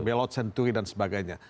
belaut senturi dan sebagainya